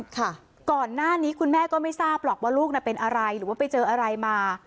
ค่ะก่อนหน้านี้คุณแม่ก็ไม่ทราบหรอกว่าลูกน่ะเป็นอะไรหรือว่าไปเจออะไรมา